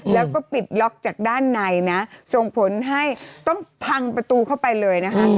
แล้วก็ปิดล็อกจากด้านในนะส่งผลให้ต้องพังประตูเข้าไปเลยนะคะ